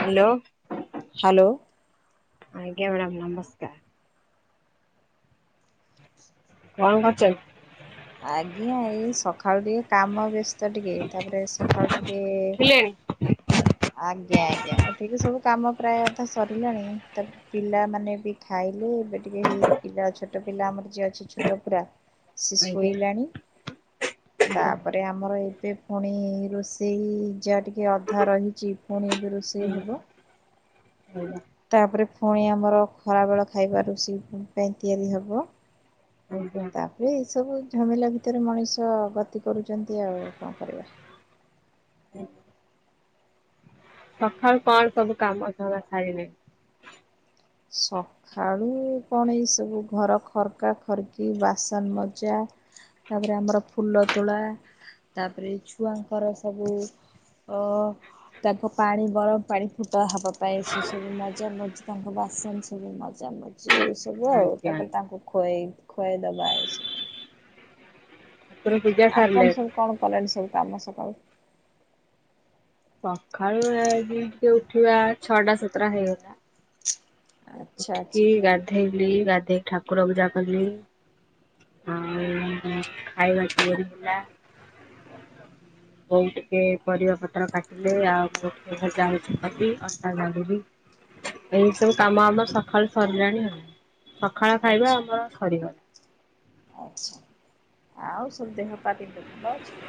Hello. Hello. ଆଜ୍ଞା madam ନମସ୍କାର। କଣ କରୁଛ? ଆଜ୍ଞା ଏଇ ସକାଳୁ ଟିକେ କାମ ବ୍ୟସ୍ତ ଟିକେ ତାପରେ ସକାଳୁ ଟିକେ ଉଠିଲେଣି? ଆଜ୍ଞା ଆଜ୍ଞା ଉଠିକି ସବୁ କାମ ପ୍ରାୟ ଅଧା ସରିଲାଣି ତ ପିଲାମାନେ ବି ଖାଇଲେ ଏବେ ଟିକେ ହେଇ ପିଲା ଛୋଟ ପିଲା ଆମର ଯିଏ ଅଛି ଛୋଟ ପୁରା ସେ ଆଜ୍ଞା ଶୋଇଲାଣି। ଆଜ୍ଞା ତାପରେ ମ୍ୟାଡ଼ାମ ଆମର ଏବେ ପୁଣି ରୋଷେଇ ଯାହା ଟିକେ ଅଧା ରହିଛି ପୁଣି ଏବେ ରୋଷେଇ ହବ। ଆଜ୍ଞା ତାପରେ ଫୁଣି ଆମର ଖରାବେଳ ଖାଇବା ରୁଷେଇ ପାଇଁ ତିଆରି ହବ। ଆଜ୍ଞା। ତାପରେ ଏସବୁ ଝମେିଲଲା ଭିତରେ ମଣିଷ ଗତି କରୁଛନ୍ତି ଆଉ କଣ କରିବା ହୁଁ ସକାଳୁ କଣ ସବୁ କାମ ଧନ୍ଦା ସାରିଲେଣି? ସ କଣ ଏଇ ସବୁ ଘର ଖର୍କା ଖରକି ବାସନ ମଜା ତାପରେ ଆମର ଫୁଲ ତୁଳା, ତାପରେ ଛୁଆଙ୍କର ସବୁ ତ ତାଙ୍କ ପାଣି ଗରମ ପାଣି ଫୁଟା ହବ। ପାଇଁ ସେ ସବୁ ମଜା ମଜି ତାଙ୍କ ବାସନ ସବୁ ମଜାମଜି। ଉଇ ସବୁ ଆଉ। ଆଜ୍ଞା ତାପରେ ଆଜ୍ଞା ତାଙ୍କୁ ଖୁଆଇ ଖୁଆଇଦବା ଏସ ଠାକୁର ପୂଜା ସାରିଲେ? ଆପଣ ସବୁ କଣ କଲେଣି ସବୁ କାମ ସକାଳୁ? ସଖାଳୁ ଏ ଟିକେ ଉଠିବା ଛଅଟା ସାତଟା ହେଇଗଲା। ଆଚ୍ଛା ଆଚ୍ଛା ଉଠିକି ଗାଧେଇଲି। ଗାଧେଇକି ଠାକୁର ପୂଜା କଲି। ଖାଇବା ତିଆରି ହେଲା। ବୋଉ ଟିକେ ପରିବା ପତ୍ର କାଟିଲେ ଆଉ। ଭଜାଭଜି କଲି, ଅଟା ଦଳିଲି ଏ ସବୁ କାମ ଆମ ସକାଳୁ ସରିଲାଣି ଆଉ। ସକାଳ ଖାଇବା ଆଚ୍ଛା ଆମର ସରିଗଲା। ଆଚ୍ଛା। ଆଉ ସବୁ ଦେହ ପାହା କେମତି ଭଲ ଅଛି?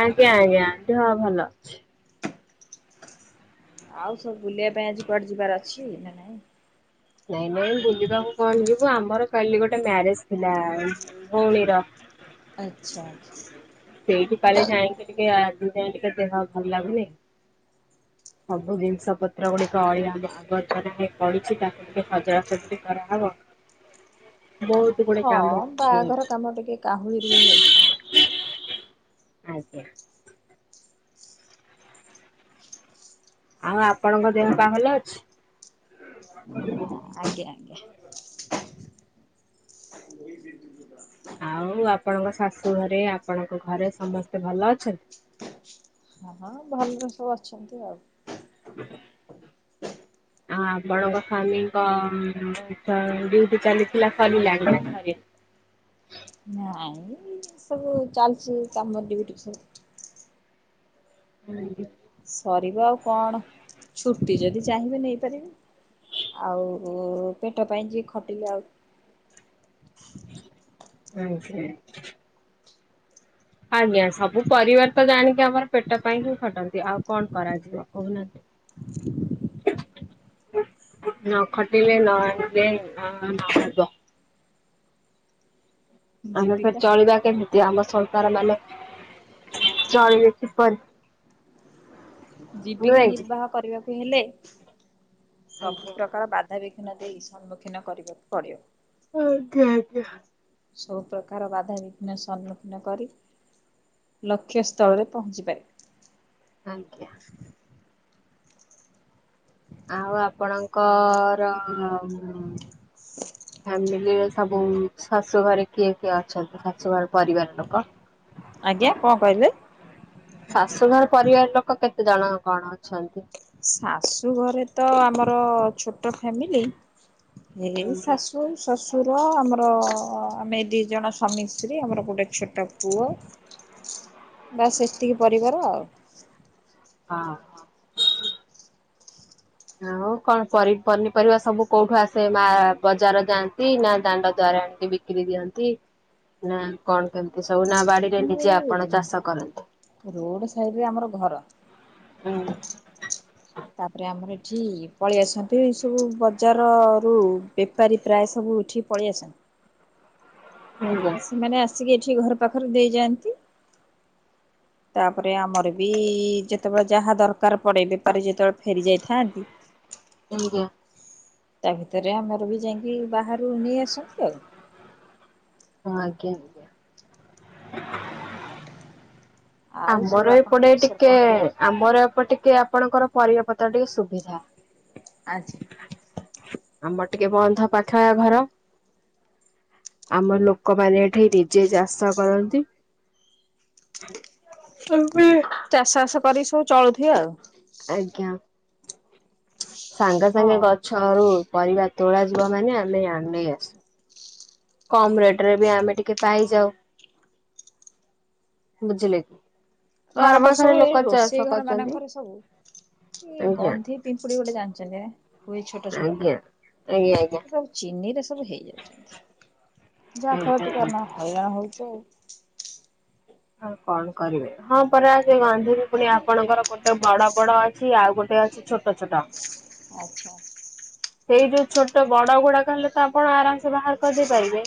ଆଜ୍ଞା ଆଜ୍ଞା। ଦେହ ଭଲ ଅଛି। ଆଉ ସବୁ ବୁଲିବା ପାଇଁ ଆଜି କୁଆଡେ ଯିବାର ଅଛି ନା ନାଇଁ? ନାଇଁ ନାଇଁ ବୁଲିବାକୁ କଣ ଯିବୁ ଆମର କାଲି ଗୋଟେ ମ୍ୟାରେଜ ଥିଲା ଭଉଣୀର। ଆଚ୍ଛା। ସେଇଠି କାଲି ଯାଇକି ଟିକେ ଆଜି କାଇଁ ଟିକେ ଦେହ ଭଲ ଲାଗୁନି। ସବୁ ଜିନିଷ ପତ୍ର ଗୁଡିକ ଅଳିଆ ଆବର୍ଜନା ହେଇ ପଡ଼ିଛି ତାକୁ ସେ ସଜଡା ସଜଡି କରାହେବ। ବହୁତ କେତେ ଗୁଡେ କାମ ହଁ ଅଛି ବାହାଘର କାମ ଟିକେ କାହୁଳିରେ ହେଇଛି। ଆଜି। ଆଉ ଆପଣଙ୍କ ଦେହ ପା ଭଲ ଅଛି? ଆଜ୍ଞା ଆଜ୍ଞା। ଆ ବା ଆଉ ଆପଣଙ୍କ ଶାଶୁ ଘରେ ଆପଣଙ୍କ ଘରେ ସମସ୍ତେ ଭଲ ଅଛନ୍ତି? ହଁ। ଭଲରେ ସବୁ ଅଛନ୍ତି ଆଉ। ହୁଁ ଆ ଆପଣଙ୍କ ସ୍ଵାମୀଙ୍କ ଡିଉଟି ଚାଲିଥିଲା ସରିଲାଣି କି ସରିନି? ନାଇଁ ସବୁ ଚାଲିଛି କାମ ଡିଉଟି ସବୁ। ହଁ ସରିବ ଆଉ କଣ? ଛୁଟି ଯଦି ଚାହିଁବେ ନେଇପାରିବେ। ଆଉ ପେଟ ପାଇଁ ଯିଏ ଖଟିଲେ ଆଉ ହୁଁ ହୁଁ। ଆଜ୍ଞା, ସବୁ ପରିବାର ତ ଜାଣିକି ଆମର ପେଟ ପାଇଁ ହିଁ ଖଟନ୍ତି ଆଉ କଣ କରାଯିବ କହୁନାହାନ୍ତି। ନ ଖଟିଲେ ନ ଆଣିଲେ ନହେଲେ ନହେବ। ଆମେ ଫେର୍ ଜୀବିକା ଚଳିବା କେମିତି ଆମ ସଂସାର ମାନେ ଚଳିବେ କିପରି? ଜୀବିକା ନୁହେଁ କି? ନିର୍ବାହ କରିବାକୁ ହେଲେ ସବୁ ଆଜ୍ଞା ପ୍ରକାର ବା ଧାବିଘ୍ନ ଦେଇ ସମ୍ମୁଖୀନ କରିବାକୁ ପଡିବ। ଓ ଆଜ୍ଞା ଆଜ୍ଞା। ସବୁ ପ୍ରକାର ବାଧାବିଘ୍ନ ସମ୍ମୁଖୀନ କରି ଲକ୍ଷ୍ୟସ୍ଥଳରେ ପହଞ୍ଚିପାରିବ। ଆଜ୍ଞା। ଆଉ ଆପଣଙ୍କର ଫାମିଲିରେ ସବୁ ଶାଶୁ ଘରେ କିଏ କିଏ ଅଛନ୍ତି ଶାଶୁ ଘର ପରିବାର ଲୋକ? ଆଜ୍ଞା କଣ କହିଲେ? ଶାଶୁଘର ପରିବାର ଲୋକ କେତେ ଜଣ କଣ ଅଛନ୍ତି? ଶାଶୁ ଘରେ ତ ଆମର ଛୋଟ ଫାମିଲି ହେଇ ଶାଶୁ ଏମିତି ଶାଶୁ, ଶ୍ୱଶୁର, ଆମର ଆମେ ଦୁଇଜଣ ସ୍ୱାମୀ ସ୍ତ୍ରୀ, ଆମର ଗୋଟେ ଛୋଟ ପୁଅ ବାସ ଏତିକି ପରିବାର ଆଉ ହଁ। ଆଉ କଣ ପନିପରିବା ସବୁ କୋଉଠୁ ଆସେ ମା ବଜାର ଯାଆନ୍ତି ନା ଦାଣ୍ଡ ଦ୍ଵାର ଆଣନ୍ତି? ବିକିରି ଦିଅନ୍ତି ନା କଣ କେମିତି ସବୁ ନା ବାଡିରେ ଆମର ନିଜେ ଏଇ ଆପଣ ଚାଷ କରନ୍ତି। ରୋଡ ସାଇଡ ଆମର ଘର ତାପରେ ଆମର ଏଠି ପଳେଇ ଆସନ୍ତି ଏ ସବୁ ବଜାର ରୁ ବେପାରୀ ପ୍ରାୟ ସବୁ ଉଠିକି ପଳେଇ ଆସନ୍ତି। ହୁଁ। ସେମାନେ ଆସିକି ଏଠି ଘର ପାଖରେ ଦେଇଯାଆନ୍ତି। ତାପରେ ଆମର ବି ଯେତେବେଳେ ଯାହା ଦରକାର ପଡେ ବେପାରୀ ଯେତେବେଳେ ଫେରି ଯାଇଥାନ୍ତି [unintelligible] ତା ଭିତରେ ଆମର ବି ଯାଇକି ବାହାରୁ ନେଇ ଆସନ୍ତି ଆଉ। ହଁ ଆଜ୍ଞା ଆଜ୍ଞା। ଆଉ ସବୁ ଆମର ଆପଣଙ୍କ ଏପଟେ ବିଷୟରେ ଟିକେ କଣ କୁହନ୍ତୁ? ମୋର ଏପଟିକେ ଆପଣଙ୍କର ପରିବାପତ୍ର ଟିକେ ସୁବିଧା। ଆଛା। ଆମର ଟିକେ ବନ୍ଧ ପାଖଆ ଘର। ଆମ ଲୋକମାନେ ଏଠି ନିଜେ ଚାଷ କରନ୍ତି। [unintelligible] ଚାଷ ବାସ କରିିକି ସବୁ ଚଳୁଥିବ ଆଉ। ଆଜ୍ଞା। ସାଙ୍ଗେ ସାଙ୍ଗେ ହଁ। ଗଛରୁ ପରିବା ତୋଳା ଯିବ ମାନେ ଆମେ ଆଣେଇ ଆସୁୁ। କମ ରେଟ ରେ ବି ଆମେ ଟିକେ ପାଇଯାଉ। ବୁଝିଲେକି? ତ ଆମର ସବୁ ଏଇ ରୋଷେଇ ଘର ମାନଙ୍କରେ ସବୁ ଏ ଆଜ୍ଞା ଗନ୍ଧି ପିମ୍ପୁଡି ଗୋଟେଜାଣିଛନ୍ତି ନା ହୁଏ ଛୋଟ ଛୋଟ ଆଜ୍ଞା ଆଜ୍ଞା ଏ ଆଜ୍ଞା। ସବୁ ଚିନିରେ ସବୁ ହେଇଯାଉଛନ୍ତି ଯାହା ଫଳରେ ଟିକେ ଆମେ ହଇରାଣ ହଉଛୁ ଆଉ। ଆଉ କଣ କରିବେ? ହଁ ପରା ଯେ ଗନ୍ଧିବୀ ପୁଣି ଆପଣଙ୍କର ଗୋଟେ ବଡ ବଡ ଅଛି ଆଉ ଗୋଟେ ଅଛି ଛୋଟ ଛୋଟ ଆଚ୍ଛା। ସେଇ ଯୋଉ ଛୋଟ ବଡ ଗୁଡାକ ହେଲେ ତ ଆପଣ ଆରାମ ସେ ବାହାର କରିଦେଇ ପାରିବେ।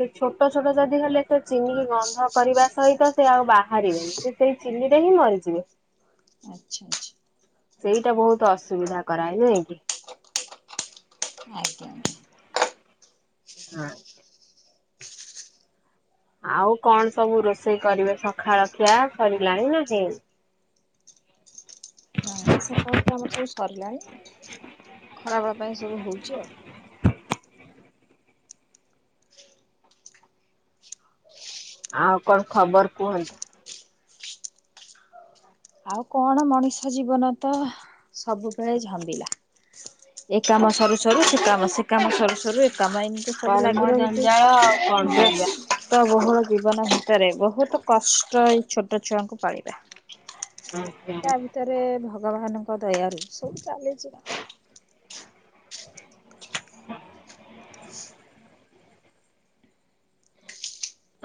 ସେ ଛୋଟ ଛୋଟ ଯଦି ହେଲେ ସେ ଚିନି ଗନ୍ଧ କରିବା, ସହିତ ସେ ଆଉ ବାହାରିବେନି ସେ ସେଇ ଚିନି ରେ ହିଁ ମରିଯିବେ। ଆଚ୍ଛା ଆଚ୍ଛା। ସେଇଟା ବହୁତ ଅସୁବିଧା କରାଏ ନାଇଁ କି? [unintelligible] ହଁ। ଆଉ କଣ ସବୁ ରୋଷେଇ କରିବେ ସଖାଳଖିଆ ସରିଲାଣି ନା ହେଇ, ନାଇଁ ସକାଳଖିଆ ଆମର ସବୁ ସରିଲାଣି ଖରା ବେଳ ପାଇଁ ସବୁ ହଉଛି ଆଉ। ଆଉ କଣ ଖବର କୁହନ୍ତୁ? ଆଉ କଣ ମଣିଷ ଜୀବନ ତ ସବୁବେଳେ ଝାମିଲା। ଏ କାମ ସରୁ ସରୁ ସେ କାମ, ସେ କାମ ସରୁ ସରୁ ଏକାମ, ଏମିତି ସବୁ କର୍ମ ଲାଗି ରହିଛି। ଜଞ୍ଜାଳ ଆଉ କଣ କରିବା। [unintelligible] ଟ ବହୁଳ ଜୀବନ ଭିତରେ ବହୁତ କଷ୍ଟ ଏଇ ଛୋଟ ଛୁଆଙ୍କୁ ପାଳିବା। ହଁ ହଁ ହେଲେ ଭଗବାନଙ୍କ ଦୟାରୁ ସବୁ ଚାଲିଛି ଆଉ। ହ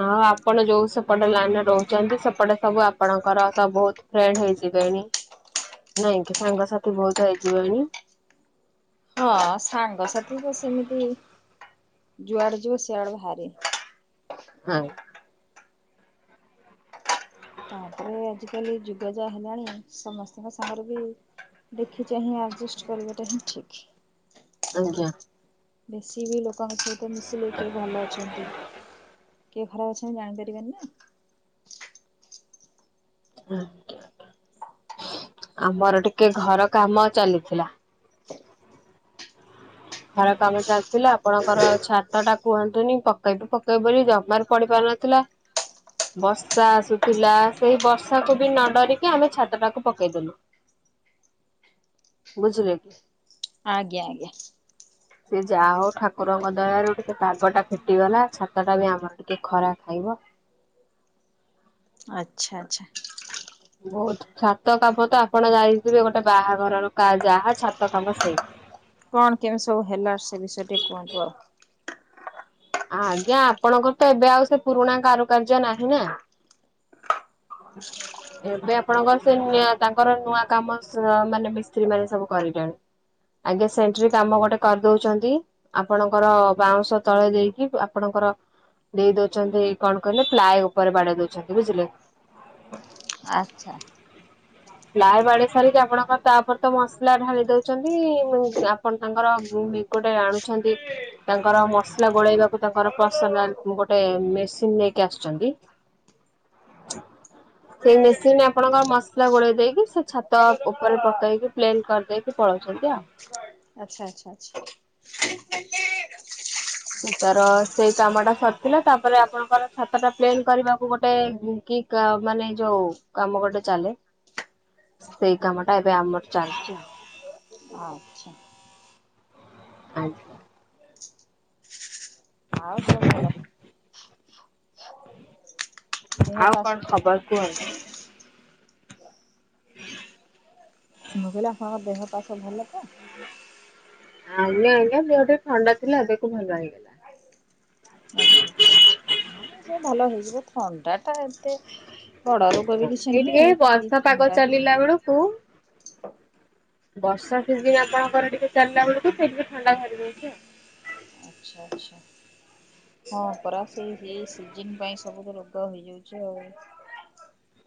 ଆଉ ଆପଣ ଯୋଉ ସେପଟେ ଲାଇନରେ ରହୁଛନ୍ତି ସେପଟେ ସବୁ ଆପଣଙ୍କର ତ ବହୁତ ଫ୍ରେଣ୍ଡ ହେଇଯିବେଣି ନାଇଁ କି ସାଙ୍ଗସାଥି ବହୁତ ହେଇଯିବେଣି। ହଁ ସାଙ୍ଗସାଥି ତ ସେମିତି ଯୁଆଡେ ଯିବ ସିଆଡେ ଭାରି। ହଁ। ତାପରେ ଆଜିକାଲି ଯୁଗ ଯାହା ହେଲାଣି ସମସ୍ତଙ୍କ ସାଙ୍ଗରେ ବି ଦେଖିଚାହିଁ ଆଡଜଷ୍ଟ କରିବାଟା ହିଁ ଠିକ୍। ଆଜ୍ଞା। ବେଶୀ ବି ଲୋକଙ୍କ ସହିତ ମିଶିଲେ କିଏ ଭଲ ଅଛନ୍ତି, କିଏ ଖରାପ ଅଛନ୍ତି ଜାଣିପାରିବେନି ନାଁ। ଆଜ୍ଞା ଆମର ଟିକେ ଘର କାମ ଚାଲିଥିଲା। ଘର କାମ ଚାଲିଥିଲା ଆପଣଙ୍କର ଛାତ ଟା କୁହନ୍ତୁନି ପକେଇବୁ ପକେଇବୁ ବୋଲି ଜମାରୁପଡି ପାରୁନ ଥିଲା। ବର୍ଷା ଆସୁଥିଲା, ସେଇ ବର୍ଷାକୁ ବି ନ ଡରିକି ଆମେ ଛାତଟାକୁ ପକେଇଦେଲୁ। ବୁଝିଲେ କି? ଆଜ୍ଞା ଆଜ୍ଞା। ସେଏ ଯାହା ହଉ ଠାକୁରଙ୍କ ଦୟାରୁ ଟିକେ ପାଗ ଟା ଫିଟିଗଲା ଛାତ ଟା ବି ଆମର ଟିକେ ଖରା ଖାଇବ। ଆଚ୍ଛା ଆଚ୍ଛା। ବହୁତ ଛାତ କାମ ତ ଆପଣ ଜାଣିଥିବେ ଗୋଟେ ବାହଘରର କା ଯାହା ଛାତ କାମ ସେଇ। କଣ କେମତି ସବୁ ହେଲା ସେ ବିଷୟ ଟିକେ କୁହନ୍ତୁ ଆଉ। ଆଜ୍ଞା ଆପଣଙ୍କର ତ ଏବେ ଆଉ ସେ ପୁରୁଣା କାରୁକାର୍ଯ୍ୟ ନାହିଁ ନାଁ। ଏବେ ଆପଣଙ୍କର ସେ ନିଅ ତାଙ୍କର ନୂଆ କାମ ମାନେ ମିସ୍ତ୍ରୀ ମାନେ ସବୁ କରିଲେଣି। ଆଗେ ସେଣ୍ଟ୍ରି କାମ ଗୋଟେ କରିଦଉଛନ୍ତି ଆପଣଙ୍କର ବାଉଁଶ ତଳେ ଦେଇ କି ଆପଣଙ୍କର ଦେଇ ଦଉଛନ୍ତି କଣ କହିଲେ ପ୍ଲାଏ ଉପରେ ବାଡେଇ ଦଉଚନ୍ତି ବୁଝିଲେ। ଆଚ୍ଛା। ପ୍ଲାଏ ବାଡେଇ ସାରିକି ଆପଣଙ୍କ ତାପରେ ତ ମସଲା ଢାଳି ଦଉଚନ୍ତି, ଆପଣ ତାଙ୍କର ବି ଗୋଟେ ଆଣୁଛନ୍ତି ତାଙ୍କର ମସଲା ଗୋଳେଇବାକୁ ତାଙ୍କର ପରସନାଲ୍ ଗୋଟେ ମେସିନ ନେଇକି ଆସୁଚନ୍ତି। ସେଇ ମେସିନ୍ ଆପଣଙ୍କର ମସଲା ଗୋଳେଇ ଦେଇକି, ସେ ଛାତ ଉପରେ ପକେଇକି ପ୍ଲେନ୍ କରିଦେଇକି ପଳଉଚନ୍ତି ଆଉ। ଆଛା ଆଛା ଆଛା। ସେ ତାର, ସେଇ କାମ ଟା ସରିଥିଲା, ତାପରେ ଆପଣଙ୍କର ଛାତ ଟା ପ୍ଲେନ୍ କରିବାକୁ ଗୋଟେ କି [unintelligible] ମାନେ ଯୋଉ କାମ ଗୋଟେ ଚାଲେ ସେଇ କାମ ଟା ଏବେ ଆମର ଚାଲିଚି। ଆଛା। ଆଜ୍ଞା। ଆଉ ସବୁ ଭଲ। ଦେହ ଆଉ ପା ସବୁ କଣ କେମିତି ଖବର କୁହନ୍ତୁ? ମୁଁ କହିଲି ଆପଣଙ୍କର ଦେହପା ସବୁ ଭଲ ତ? ଆଜ୍ଞା ଆଜ୍ଞା, ଦେହ ଟିକେ ଥଣ୍ଡା ଥିଲା, ଏବେକୁ ଭଲ ହେଇଗଲା। ଆଛା ଆଛା ଆଛା, ହ ସେ ଭଲ ହେଇଯିବ, ଥଣ୍ଡା ଟା ଏତେ ବଡ ରୋଗ ବି ଆଜ୍ଞା, କିଛି ଏଇ ନୁହେଁ ଟିକେ ଏଇ ବି ବର୍ଷାପାଗ ଥଣ୍ଡା ବି ଚାଲିଲା ବେଳ କୁ ବର୍ଷା ସିଜିିନି ଆପଣଙ୍କର ଟିକେ ଚାଲିଲା ବେଳକୁ, ସେ ଟିକେ ଥଣ୍ଡା ଧରିଦଉଛି ଆଉ। ଆଛା ଆଛା। ହଁ ପରା, ସେ ଏଇ ସିଜିନି ପାଇଁ ସବୁ ରୋଗ ହେଇଯାଉଚି ଆଉ। [inaudible]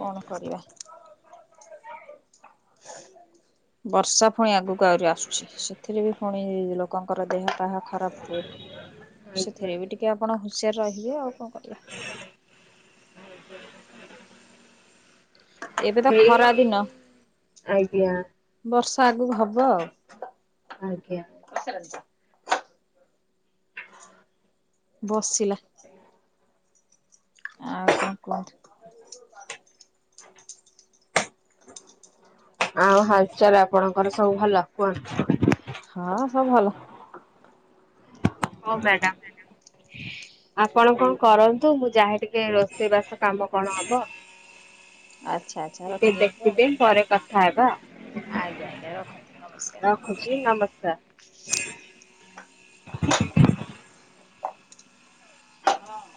କଣ କରିବା? [inaudible] ବର୍ଷା ପୁଣି ଆଗକୁ ଆହୁରି ଆସୁଚି, ସେଥିରେ ବି ପୁଣି ଲୋକଙ୍କର ଦେହ ପା ଖରାପ ହୁଏ। ଆଉ ଆଜ୍ଞା। ସେଥିରେ ବି ଟିକେ ଆପଣ ହୁସିଆର ରହିବେ, ଆଉ କଣ କରିବା? [unintelligible] ଏବେ ତ ଏଇ ଖରା ଦିନ, ଆଜ୍ଞା ବର୍ଷା ଆଗକୁ ହବ ଆଉ। ଆଜ୍ଞା। [unintelligible] ବସିଲା। ଆଉ କଣ କୁହନ୍ତୁ? [unintelligible] ଆଉ ହାଲଚାଲ୍ ଆପଣଙ୍କର ସବୁ ଭଲ, କୁହନ୍ତୁ? ହଁ ସବୁ ଭଲ। ହଁ, ‌ ମ୍ୟାଡାମ୍। ଆପଣ କଣ କରନ୍ତୁ, ମୁଁ ଯାହେ ଟିକେ ରୋଷେଇ ବାସ କାମ କଣ ହବ। ଆଚ୍ଛା ଆଚ୍ଛା ଟିକେ ରଖିଦିଅନ୍ତୁ ଆଉ ଦେଖିଦେ, ପରେ କଥା ହେବା। ଆଜ୍ଞା ଆଜ୍ଞା, ରଖନ୍ତୁ ନମସ୍କାର। ରଖୁଚି, ନମସ୍କାର। ହଁ।